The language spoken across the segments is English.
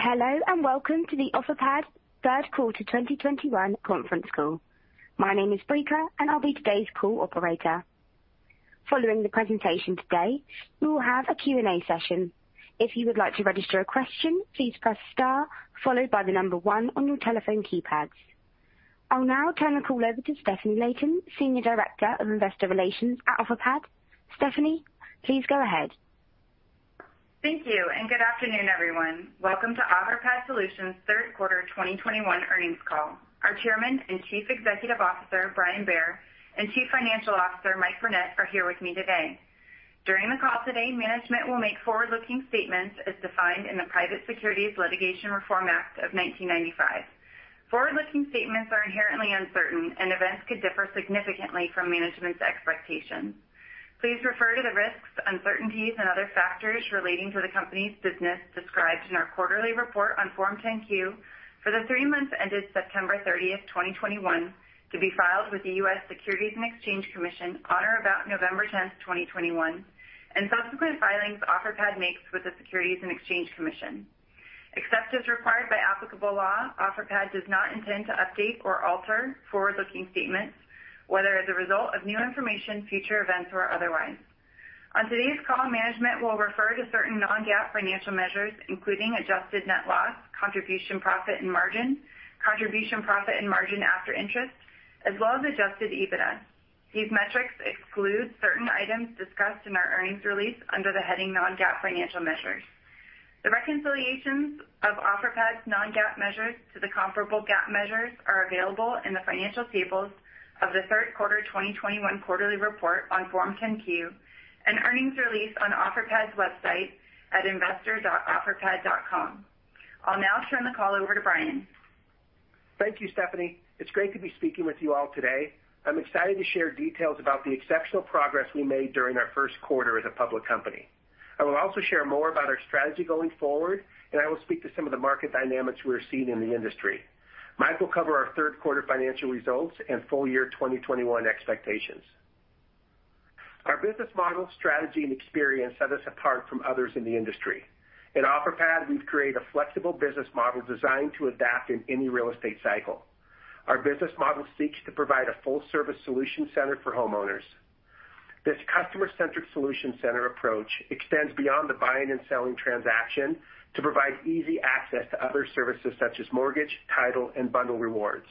Hello, and welcome to the Offerpad third quarter 2021 conference call. My name is Brica, and I'll be today's call operator. Following the presentation today, we will have a Q&A session. If you would like to register a question, please press star followed by the number 1 on your telephone keypads. I'll now turn the call over to Stefanie Layton, Senior Director of Investor Relations at Offerpad. Stefanie, please go ahead. Thank you, and good afternoon, everyone. Welcome to Offerpad Solutions' third quarter 2021 earnings call. Our Chairman and Chief Executive Officer, Brian Bair, and Chief Financial Officer, Mike Burnett, are here with me today. During the call today, management will make forward-looking statements as defined in the Private Securities Litigation Reform Act of 1995. Forward-looking statements are inherently uncertain, and events could differ significantly from management's expectations. Please refer to the risks, uncertainties, and other factors relating to the company's business described in our quarterly report on Form 10-Q for the three months ended September 30, 2021, to be filed with the U.S. Securities and Exchange Commission on or about November 10, 2021, and subsequent filings Offerpad makes with the Securities and Exchange Commission. Except as required by applicable law, Offerpad does not intend to update or alter forward-looking statements, whether as a result of new information, future events, or otherwise. On today's call, management will refer to certain non-GAAP financial measures, including adjusted net loss, contribution profit and margin, contribution profit and margin after interest, as well as adjusted EBITDA. These metrics exclude certain items discussed in our earnings release under the heading Non-GAAP Financial Measures. The reconciliations of Offerpad's non-GAAP measures to the comparable GAAP measures are available in the financial tables of the third quarter 2021 quarterly report on Form 10-Q and earnings release on Offerpad's website at investor.offerpad.com. I'll now turn the call over to Brian. Thank you, Stefanie. It's great to be speaking with you all today. I'm excited to share details about the exceptional progress we made during our first quarter as a public company. I will also share more about our strategy going forward, and I will speak to some of the market dynamics we are seeing in the industry. Mike will cover our third quarter financial results and full year 2021 expectations. Our business model, strategy, and experience set us apart from others in the industry. At Offerpad, we've created a flexible business model designed to adapt in any real estate cycle. Our business model seeks to provide a full service solution center for homeowners. This customer-centric solution center approach extends beyond the buying and selling transaction to provide easy access to other services such as mortgage, title, and bundle rewards.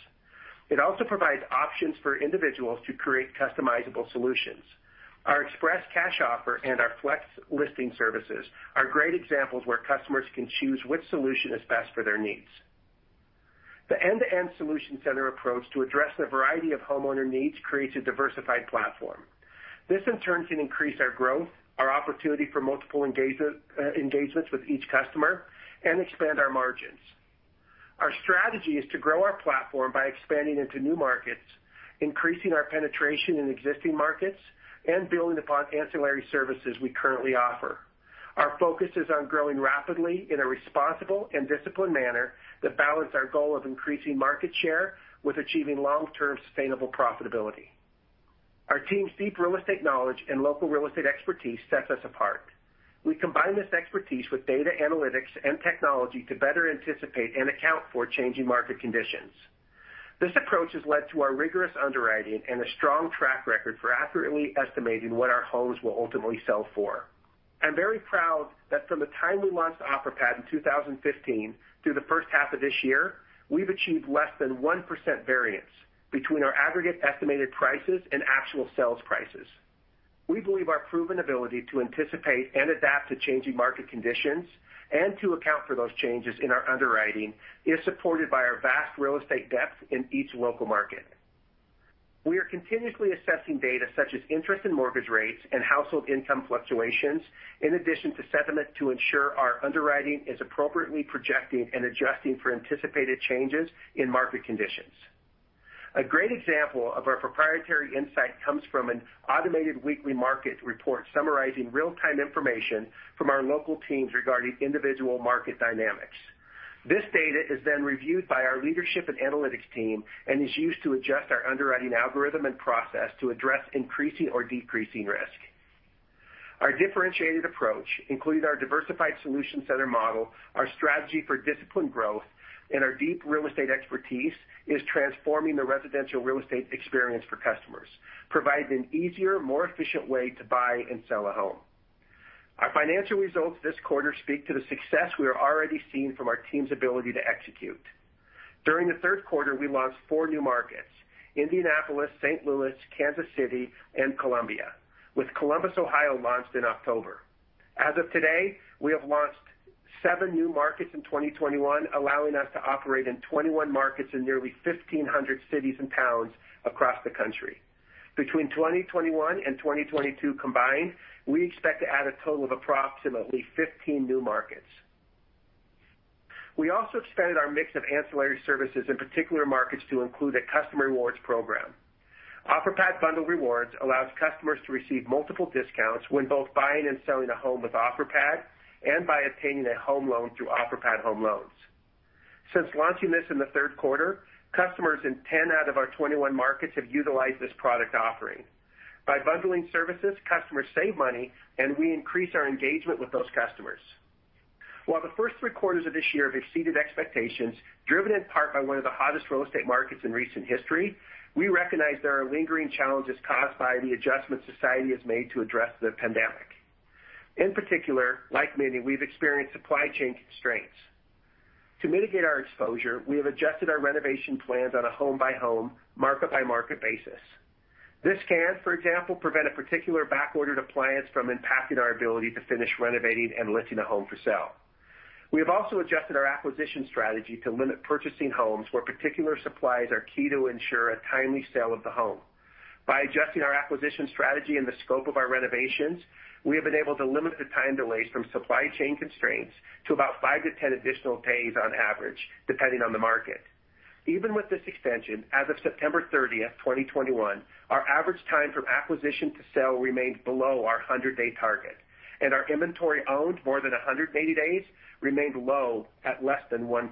It also provides options for individuals to create customizable solutions. Our Express Cash Offer and our FLEX Listing Services are great examples where customers can choose which solution is best for their needs. The end-to-end solution center approach to address the variety of homeowner needs creates a diversified platform. This, in turn, can increase our growth, our opportunity for multiple engagements with each customer and expand our margins. Our strategy is to grow our platform by expanding into new markets, increasing our penetration in existing markets, and building upon ancillary services we currently offer. Our focus is on growing rapidly in a responsible and disciplined manner that balances our goal of increasing market share with achieving long-term sustainable profitability. Our team's deep real estate knowledge and local real estate expertise sets us apart. We combine this expertise with data analytics and technology to better anticipate and account for changing market conditions. This approach has led to our rigorous underwriting and a strong track record for accurately estimating what our homes will ultimately sell for. I'm very proud that from the time we launched Offerpad in 2015 through the first half of this year, we've achieved less than 1% variance between our aggregate estimated prices and actual sales prices. We believe our proven ability to anticipate and adapt to changing market conditions and to account for those changes in our underwriting is supported by our vast real estate depth in each local market. We are continuously assessing data such as interest and mortgage rates and household income fluctuations, in addition to sentiment, to ensure our underwriting is appropriately projecting and adjusting for anticipated changes in market conditions. A great example of our proprietary insight comes from an automated weekly market report summarizing real-time information from our local teams regarding individual market dynamics. This data is then reviewed by our leadership and analytics team and is used to adjust our underwriting algorithm and process to address increasing or decreasing risk. Our differentiated approach, including our diversified solution center model, our strategy for disciplined growth, and our deep real estate expertise, is transforming the residential real estate experience for customers, providing an easier, more efficient way to buy and sell a home. Our financial results this quarter speak to the success we are already seeing from our team's ability to execute. During the third quarter, we launched four new markets, Indianapolis, St. Louis, Kansas City, and Columbia, with Columbus, Ohio, launched in October. As of today, we have launched 7 new markets in 2021, allowing us to operate in 21 markets in nearly 1,500 cities and towns across the country. Between 2021 and 2022 combined, we expect to add a total of approximately 15 new markets. We also expanded our mix of ancillary services in particular markets to include a customer rewards program. Offerpad Bundle Rewards allows customers to receive multiple discounts when both buying and selling a home with Offerpad and by obtaining a home loan through Offerpad Home Loans. Since launching this in the third quarter, customers in 10 out of our 21 markets have utilized this product offering. By bundling services, customers save money, and we increase our engagement with those customers. While the first three quarters of this year have exceeded expectations, driven in part by one of the hottest real estate markets in recent history, we recognize there are lingering challenges caused by the adjustments society has made to address the pandemic. In particular, like many, we've experienced supply chain constraints. To mitigate our exposure, we have adjusted our renovation plans on a home-by-home, market-by-market basis. This can, for example, prevent a particular back-ordered appliance from impacting our ability to finish renovating and listing a home for sale. We have also adjusted our acquisition strategy to limit purchasing homes where particular supplies are key to ensure a timely sale of the home. By adjusting our acquisition strategy and the scope of our renovations, we have been able to limit the time delays from supply chain constraints to about 5-10 additional days on average, depending on the market. Even with this extension, as of September 30, 2021, our average time from acquisition to sale remained below our 100-day target, and our inventory owned more than 180 days remained low at less than 1%.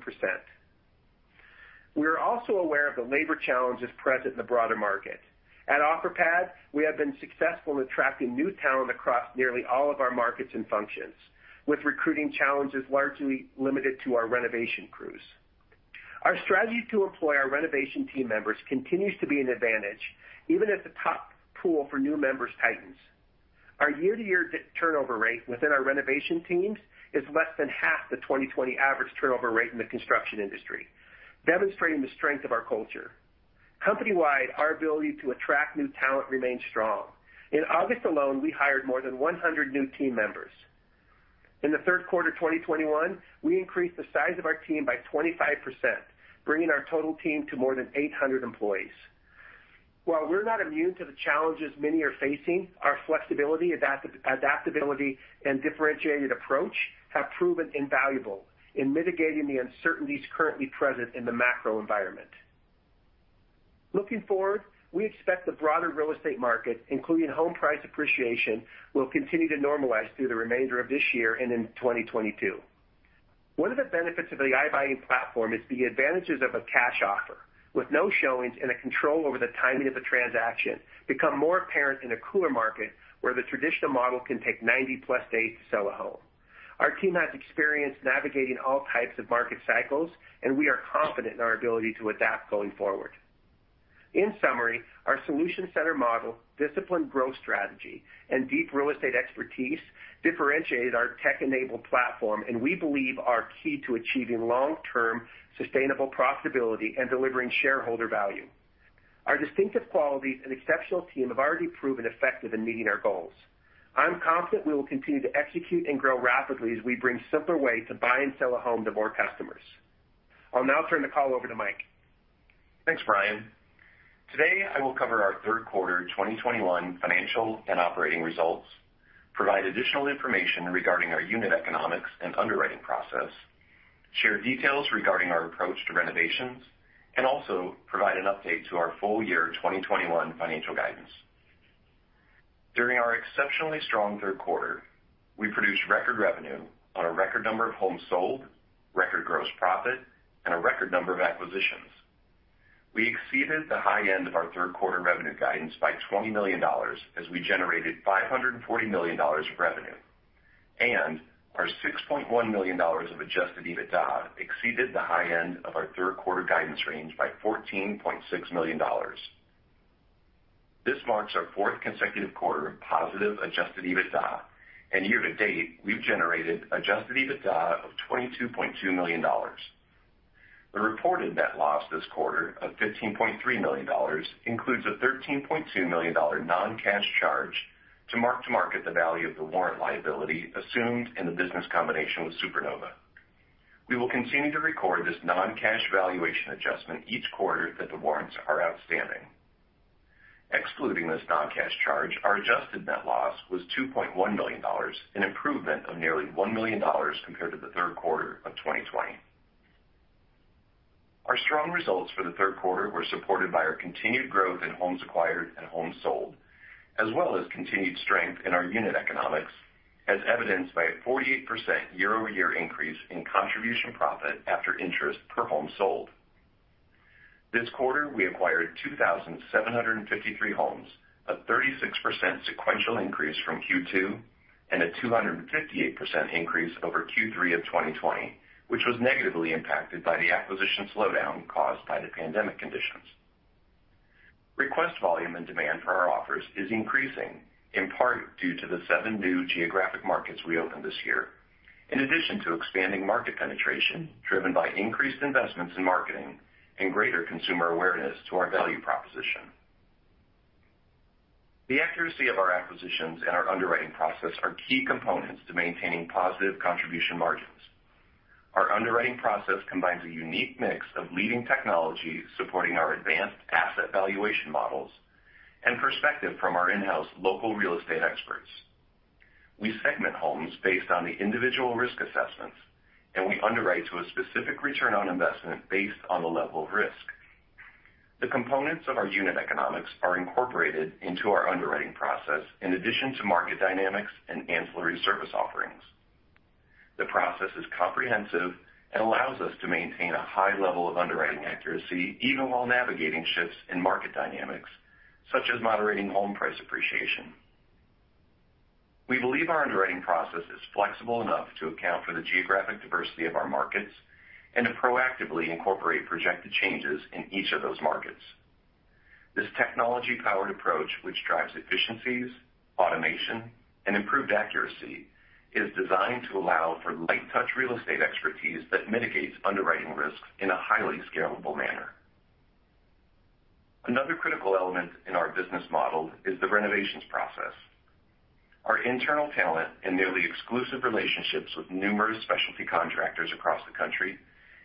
We are also aware of the labor challenges present in the broader market. At Offerpad, we have been successful in attracting new talent across nearly all of our markets and functions, with recruiting challenges largely limited to our renovation crews. Our strategy to employ our renovation team members continues to be an advantage, even as the top pool for new members tightens. Our year-to-year turnover rate within our renovation teams is less than half the 2020 average turnover rate in the construction industry, demonstrating the strength of our culture. Company-wide, our ability to attract new talent remains strong. In August alone, we hired more than 100 new team members. In the third quarter 2021, we increased the size of our team by 25%, bringing our total team to more than 800 employees. While we're not immune to the challenges many are facing, our flexibility, adaptability, and differentiated approach have proven invaluable in mitigating the uncertainties currently present in the macro environment. Looking forward, we expect the broader real estate market, including home price appreciation, will continue to normalize through the remainder of this year and in 2022. One of the benefits of the iBuying platform is the advantages of a cash offer, with no showings and a control over the timing of a transaction become more apparent in a cooler market where the traditional model can take 90+ days to sell a home. Our team has experience navigating all types of market cycles, and we are confident in our ability to adapt going forward. In summary, our solution-centered model, disciplined growth strategy, and deep real estate expertise differentiate our tech-enabled platform, and we believe are key to achieving long-term sustainable profitability and delivering shareholder value. Our distinctive qualities and exceptional team have already proven effective in meeting our goals. I'm confident we will continue to execute and grow rapidly as we bring simpler ways to buy and sell a home to more customers. I'll now turn the call over to Mike. Thanks, Brian. Today, I will cover our third quarter 2021 financial and operating results, provide additional information regarding our unit economics and underwriting process, share details regarding our approach to renovations, and also provide an update to our full year 2021 financial guidance. During our exceptionally strong third quarter, we produced record revenue on a record number of homes sold, record gross profit, and a record number of acquisitions. We exceeded the high end of our third quarter revenue guidance by $20 million, as we generated $540 million of revenue. Our $6.1 million of adjusted EBITDA exceeded the high end of our third quarter guidance range by $14.6 million. This marks our fourth consecutive quarter of positive adjusted EBITDA. Year to date, we've generated adjusted EBITDA of $22.2 million. The reported net loss this quarter of $15.3 million includes a $13.2 million non-cash charge to mark-to-market the value of the warrant liability assumed in the business combination with Supernova. We will continue to record this non-cash valuation adjustment each quarter that the warrants are outstanding. Excluding this non-cash charge, our adjusted net loss was $2.1 million, an improvement of nearly $1 million compared to the third quarter of 2020. Our strong results for the third quarter were supported by our continued growth in homes acquired and homes sold, as well as continued strength in our unit economics, as evidenced by a 48% year-over-year increase in contribution profit after interest per home sold. This quarter, we acquired 2,753 homes, a 36% sequential increase from Q2, and a 258% increase over Q3 of 2020, which was negatively impacted by the acquisition slowdown caused by the pandemic conditions. Request volume and demand for our offers is increasing, in part due to the seven new geographic markets we opened this year, in addition to expanding market penetration, driven by increased investments in marketing and greater consumer awareness to our value proposition. The accuracy of our acquisitions and our underwriting process are key components to maintaining positive contribution margins. Our underwriting process combines a unique mix of leading technology supporting our advanced asset valuation models and perspective from our in-house local real estate experts. We segment homes based on the individual risk assessments, and we underwrite to a specific return on investment based on the level of risk. The components of our unit economics are incorporated into our underwriting process in addition to market dynamics and ancillary service offerings. The process is comprehensive and allows us to maintain a high level of underwriting accuracy even while navigating shifts in market dynamics, such as moderating home price appreciation. We believe our underwriting process is flexible enough to account for the geographic diversity of our markets and to proactively incorporate projected changes in each of those markets. This technology-powered approach, which drives efficiencies, automation, and improved accuracy, is designed to allow for light-touch real estate expertise that mitigates underwriting risks in a highly scalable manner. Another critical element in our business model is the renovations process. Our internal talent and nearly exclusive relationships with numerous specialty contractors across the country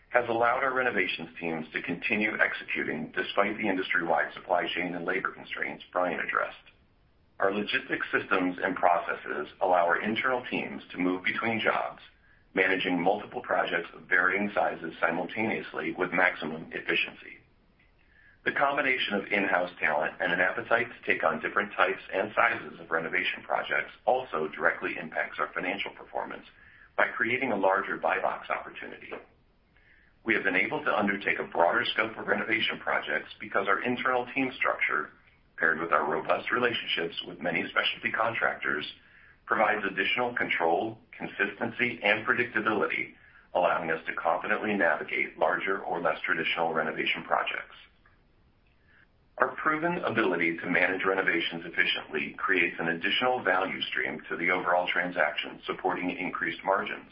has allowed our renovations teams to continue executing despite the industry-wide supply chain and labor constraints Brian addressed. Our logistics systems and processes allow our internal teams to move between jobs, managing multiple projects of varying sizes simultaneously with maximum efficiency. The combination of in-house talent and an appetite to take on different types and sizes of renovation projects also directly impacts our financial performance by creating a larger buy box opportunity. We have been able to undertake a broader scope of renovation projects because our internal team structure, paired with our robust relationships with many specialty contractors, provides additional control, consistency and predictability, allowing us to confidently navigate larger or less traditional renovation projects. Our proven ability to manage renovations efficiently creates an additional value stream to the overall transaction, supporting increased margins.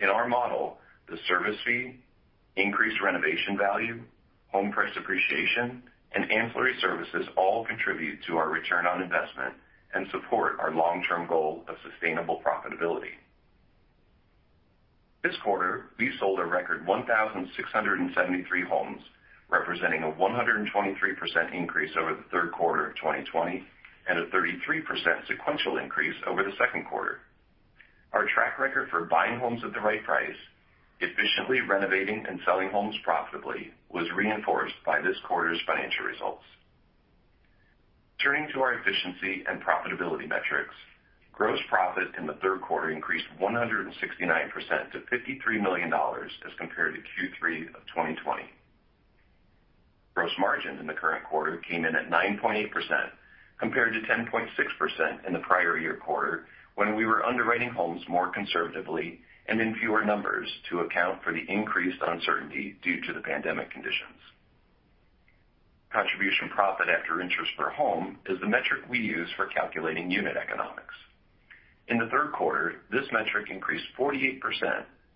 In our model, the service fee, increased renovation value, home price appreciation, and ancillary services all contribute to our return on investment and support our long-term goal of sustainable profitability. This quarter, we sold a record 1,673 homes, representing a 123% increase over the third quarter of 2020 and a 33% sequential increase over the second quarter. Our track record for buying homes at the right price, efficiently renovating and selling homes profitably was reinforced by this quarter's financial results. Turning to our efficiency and profitability metrics, gross profit in the third quarter increased 169% to $53 million as compared to Q3 of 2020. Gross margin in the current quarter came in at 9.8% compared to 10.6% in the prior year quarter, when we were underwriting homes more conservatively and in fewer numbers to account for the increased uncertainty due to the pandemic conditions. Contribution profit after interest per home is the metric we use for calculating unit economics. In the third quarter, this metric increased 48%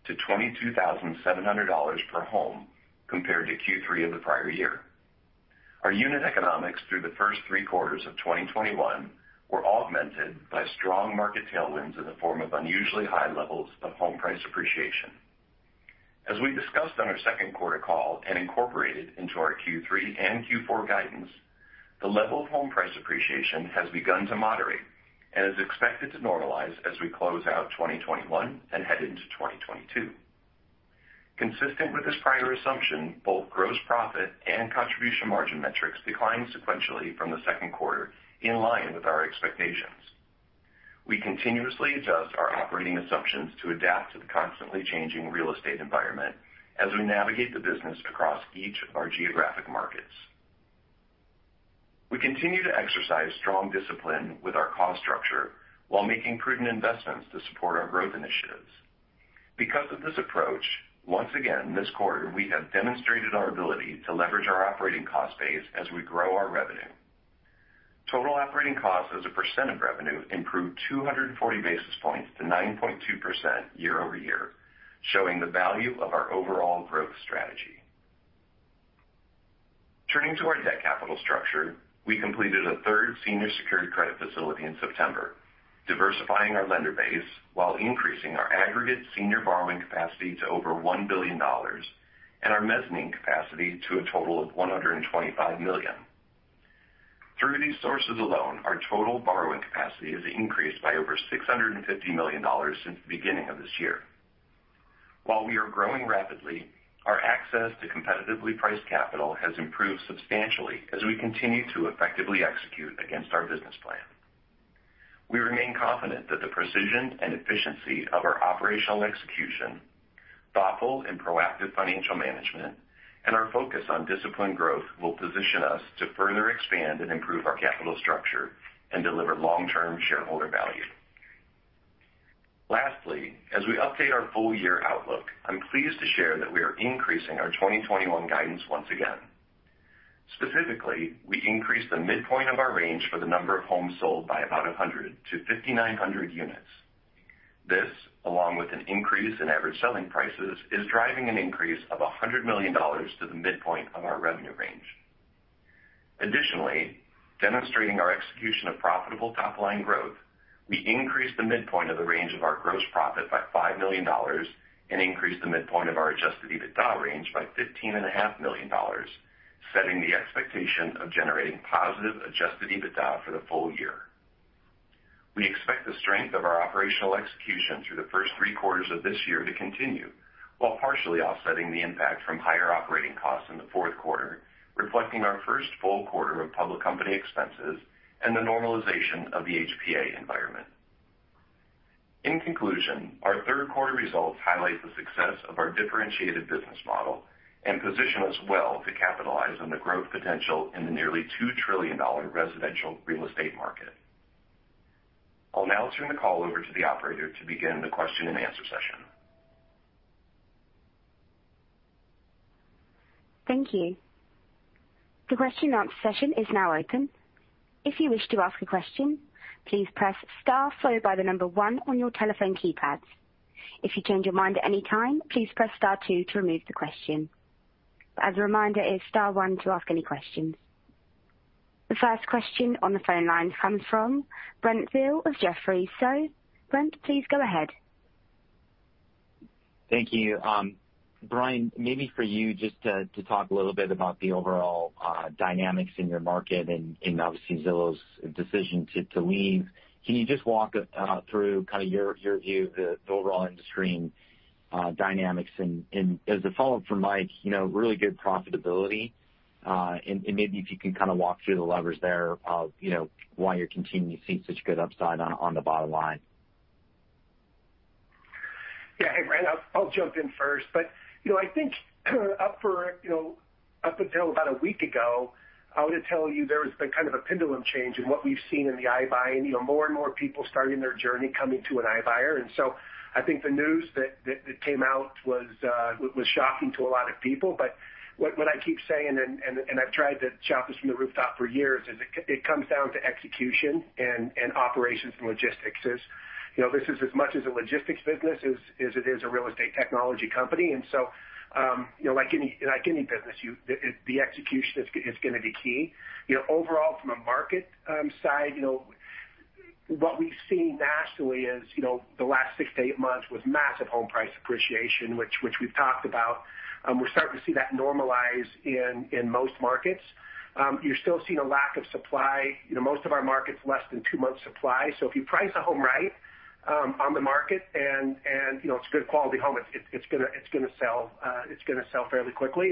to $22,700 per home compared to Q3 of the prior year. Our unit economics through the first three quarters of 2021 were augmented by strong market tailwinds in the form of unusually high levels of home price appreciation. As we discussed on our second quarter call and incorporated into our Q3 and Q4 guidance, the level of home price appreciation has begun to moderate and is expected to normalize as we close out 2021 and head into 2022. Consistent with this prior assumption, both gross profit and contribution margin metrics declined sequentially from the second quarter, in line with our expectations. We continuously adjust our operating assumptions to adapt to the constantly changing real estate environment as we navigate the business across each of our geographic markets. We continue to exercise strong discipline with our cost structure while making prudent investments to support our growth initiatives. Because of this approach, once again, this quarter, we have demonstrated our ability to leverage our operating cost base as we grow our revenue. Total operating costs as a percent of revenue improved 240 basis points to 9.2% year-over-year, showing the value of our overall growth strategy. Turning to our debt capital structure, we completed a third senior secured credit facility in September, diversifying our lender base while increasing our aggregate senior borrowing capacity to over $1 billion and our mezzanine capacity to a total of $125 million. Through these sources alone, our total borrowing capacity has increased by over $650 million since the beginning of this year. While we are growing rapidly, our access to competitively priced capital has improved substantially as we continue to effectively execute against our business plan. We remain confident that the precision and efficiency of our operational execution, thoughtful and proactive financial management, and our focus on disciplined growth will position us to further expand and improve our capital structure and deliver long-term shareholder value. Lastly, as we update our full-year outlook, I'm pleased to share that we are increasing our 2021 guidance once again. Specifically, we increased the midpoint of our range for the number of homes sold by about 100 to 5,900 units. This, along with an increase in average selling prices, is driving an increase of $100 million to the midpoint of our revenue range. Demonstrating our execution of profitable top-line growth, we increased the midpoint of the range of our gross profit by $5 million and increased the midpoint of our adjusted EBITDA range by $15.5 million, setting the expectation of generating positive adjusted EBITDA for the full year. We expect the strength of our operational execution through the first three quarters of this year to continue, while partially offsetting the impact from higher operating costs in the fourth quarter, reflecting our first full quarter of public company expenses and the normalization of the HPA environment. In conclusion, our third quarter results highlight the success of our differentiated business model and position us well to capitalize on the growth potential in the nearly $2 trillion residential real estate market. I'll now turn the call over to the operator to begin the question-and-answer session. Thank you. The question-and-answer session is now open. If you wish to ask a question, please press star followed by the number one on your telephone keypad. If you change your mind at any time, please press star two to remove the question. As a reminder, it's star one to ask any questions. The first question on the phone line comes from Brent Thill of Jefferies. Brent, please go ahead. Thank you. Brian, maybe for you just to talk a little bit about the overall dynamics in your market and obviously Zillow's decision to leave. Can you just walk through kind of your view of the overall industry and dynamics? As a follow-up from Mike, you know, really good profitability, and maybe if you can kind of walk through the levers there of, you know, why you're continuing to see such good upside on the bottom line. Yeah. Hey, Brent, I'll jump in first. You know, I think up until about a week ago, I would tell you there has been kind of a pendulum change in what we've seen in the iBuying. You know, more and more people starting their journey coming to an iBuyer. I think the news that came out was shocking to a lot of people. What I keep saying and I've tried to shout this from the rooftop for years is it comes down to execution and operations and logistics. You know, this is as much a logistics business as it is a real estate technology company. You know, like any business, the execution is gonna be key. You know, overall from a market side, you know, what we've seen nationally is, you know, the last six to eight months was massive home price appreciation, which we've talked about. We're starting to see that normalize in most markets. You're still seeing a lack of supply. You know, most of our market's less than two months supply. So if you price a home right, on the market and you know, it's a good quality home, it's gonna sell fairly quickly.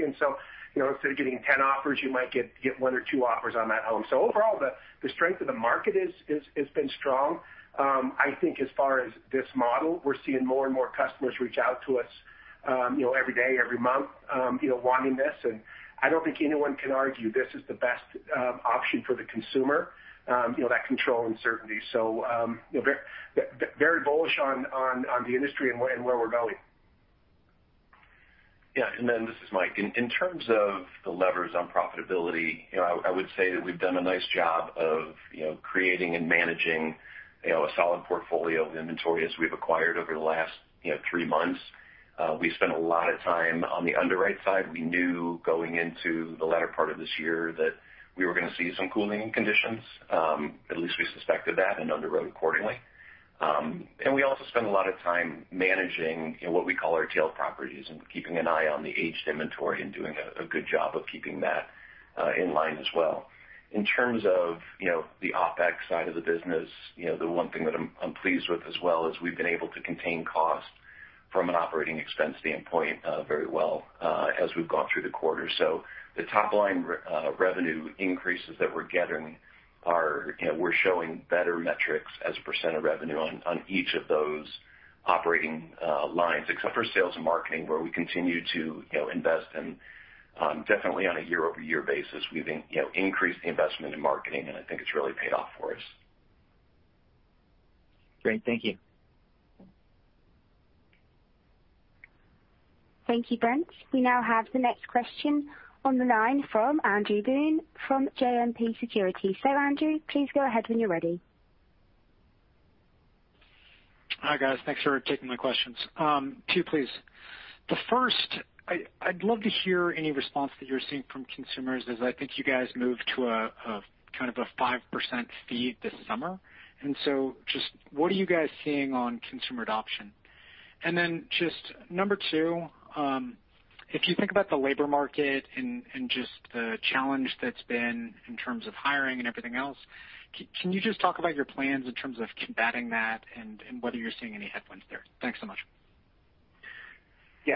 You know, instead of getting 10 offers, you might get one or two offers on that home. Overall, the strength of the market has been strong. I think as far as this model, we're seeing more and more customers reach out to us, you know, every day, every month, you know, wanting this, and I don't think anyone can argue this is the best option for the consumer, you know, that control and certainty. You know, very bullish on the industry and where we're going. Yeah. Then this is Mike. In terms of the levers on profitability, you know, I would say that we've done a nice job of, you know, creating and managing, you know, a solid portfolio of inventory as we've acquired over the last, you know, three months. We spent a lot of time on the underwrite side. We knew going into the latter part of this year that we were gonna see some cooling conditions, at least we suspected that and underwrote accordingly. We also spent a lot of time managing, you know, what we call our tail properties and keeping an eye on the aged inventory and doing a good job of keeping that in line as well. In terms of, you know, the OpEx side of the business, you know, the one thing that I'm pleased with as well is we've been able to contain costs from an operating expense standpoint very well as we've gone through the quarter. The top line revenue increases that we're getting are. You know, we're showing better metrics as a percent of revenue on each of those operating lines, except for sales and marketing, where we continue to, you know, invest. Definitely on a year-over-year basis, we've increased the investment in marketing, and I think it's really paid off for us. Great. Thank you. Thank you, Brent. We now have the next question on the line from Andrew Boone from JMP Securities. Andrew, please go ahead when you're ready. Hi, guys. Thanks for taking my questions. Two, please. The first, I'd love to hear any response that you're seeing from consumers as I think you guys moved to a kind of a 5% fee this summer. Just what are you guys seeing on consumer adoption? Just number two, if you think about the labor market and just the challenge that's been in terms of hiring and everything else, can you just talk about your plans in terms of combating that and whether you're seeing any headwinds there? Thanks so much. Yeah.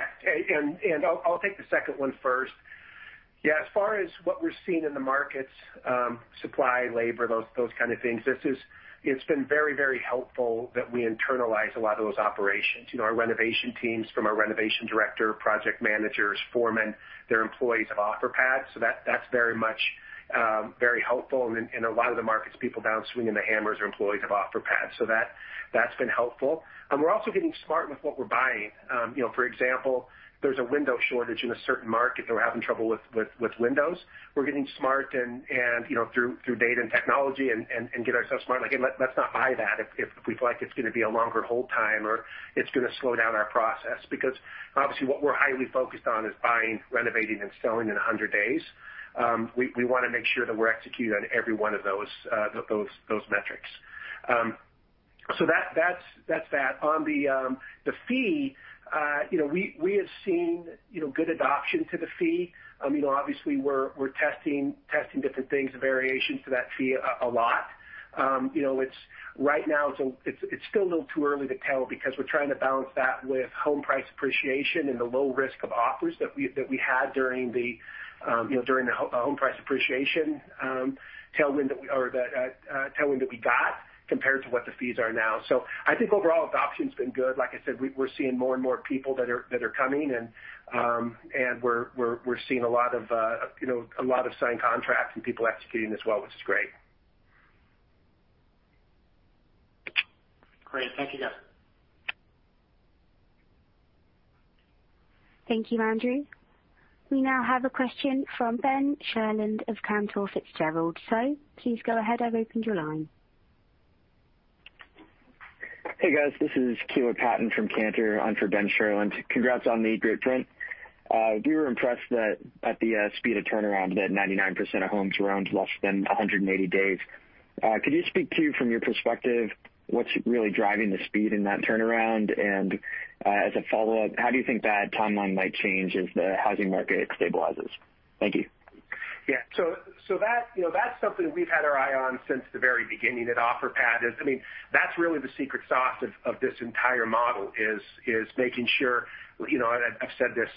I'll take the second one first. Yeah. As far as what we're seeing in the markets, supply, labor, those kind of things, it's been very, very helpful that we internalize a lot of those operations. You know, our renovation teams from our renovation director, project managers, foremen, they're employees of Offerpad, so that's very much very helpful. In a lot of the markets, people down swinging the hammers are employees of Offerpad, so that's been helpful. We're also getting smart with what we're buying. You know, for example, there's a window shortage in a certain market that we're having trouble with windows. We're getting smart and, you know, through data and technology and get ourselves smart. Like, let's not buy that if we feel like it's gonna be a longer hold time or it's gonna slow down our process. Obviously, what we're highly focused on is buying, renovating, and selling in 100 days. We wanna make sure that we're executing on every one of those metrics. That's that. On the fee, you know, we have seen, you know, good adoption to the fee. I mean, obviously, we're testing different things, variations to that fee a lot. You know, right now, it's still a little too early to tell because we're trying to balance that with home price appreciation and the low risk of offers that we had during the home price appreciation tailwind that we got compared to what the fees are now. I think overall adoption's been good. Like I said, we're seeing more and more people that are coming, and we're seeing a lot of, you know, signed contracts and people executing as well, which is great. Great. Thank you, guys. Thank you, Andrew. We now have a question from Ben Sherlund of Cantor Fitzgerald. Please go ahead. I've opened your line. Hey, guys. This is Kaiwa Patton-Irvine from Cantor. I'm for Ben Sherlund. Congrats on the great print. We were impressed that at the speed of turnaround that 99% of homes were owned less than 180 days. Could you speak to, from your perspective, what's really driving the speed in that turnaround? As a follow-up, how do you think that timeline might change as the housing market stabilizes? Thank you. Yeah. That, you know, that's something we've had our eye on since the very beginning at Offerpad is, I mean, that's really the secret sauce of this entire model is making sure, you know, I've said this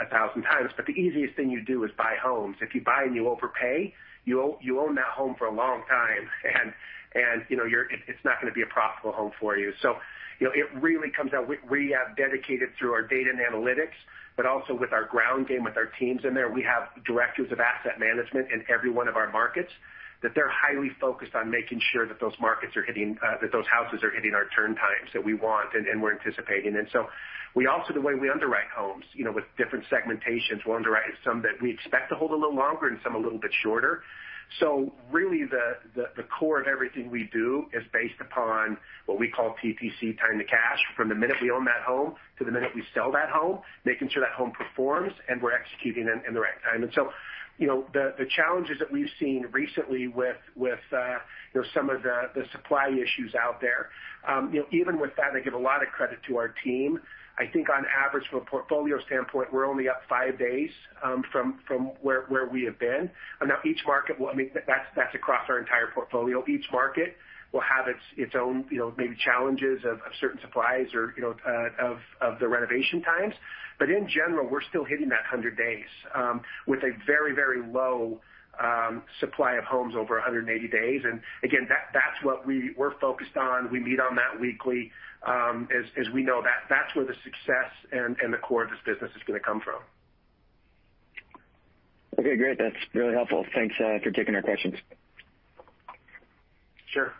a thousand times, but the easiest thing you do is buy homes. If you buy and you overpay, you own that home for a long time. You know, it's not gonna be a profitable home for you. You know, it really comes down. We have dedicated through our data and analytics, but also with our ground game, with our teams in there. We have directors of asset management in every one of our markets that they're highly focused on making sure that those markets are hitting that those houses are hitting our turn times that we want and we're anticipating. We also, the way we underwrite homes, you know, with different segmentations, we'll underwrite some that we expect to hold a little longer and some a little bit shorter. Really the core of everything we do is based upon what we call TPC, time to cash, from the minute we own that home to the minute we sell that home, making sure that home performs and we're executing in the right time. You know, the challenges that we've seen recently with you know, some of the supply issues out there, even with that, I give a lot of credit to our team. I think on average, from a portfolio standpoint, we're only up five days from where we have been. I mean, that's across our entire portfolio. Each market will have its own, you know, maybe challenges of certain supplies or, you know, of the renovation times. But in general, we're still hitting that 100 days with a very low supply of homes over 180 days. That's what we're focused on. We meet on that weekly, as we know that's where the success and the core of this business is gonna come from. Okay, great. That's really helpful. Thanks for taking our questions. Sure.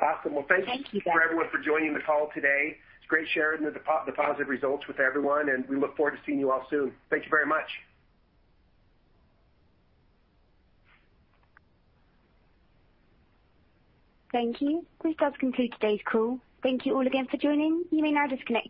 Awesome. Well, thank you. Thank you. Thank you everyone for joining the call today. It's great sharing the positive results with everyone, and we look forward to seeing you all soon. Thank you very much. Thank you. This does conclude today's call. Thank you all again for joining. You may now disconnect your lines.